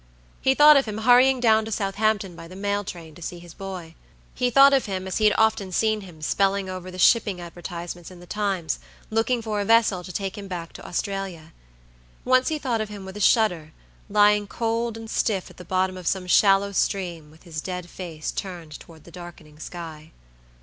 He thought of him hurrying down to Southampton by the mail train to see his boy. He thought of him as he had often seen him spelling over the shipping advertisements in the Times, looking for a vessel to take him back to Australia. Once he thought of him with a shudder, lying cold and stiff at the bottom of some shallow stream with his dead face turned toward the darkening sky.